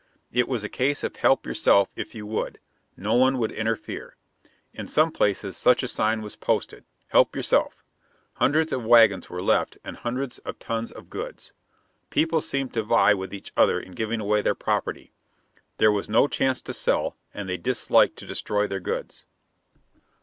It was a case of help yourself if you would; no one would interfere. In some places such a sign was posted, "Help yourself." Hundreds of wagons were left and hundreds of tons of goods. People seemed to vie with each other in giving away their property. There was no chance to sell, and they disliked to destroy their goods.